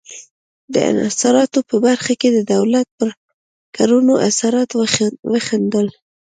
د انحصاراتو په برخه کې د دولت پر کړنو اثرات وښندل.